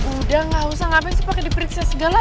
udah gak usah ngapain sih pakai diperiksa segala